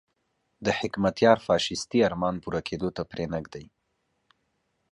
د حکمتیار فاشیستي ارمان پوره کېدو ته پرې نه ږدي.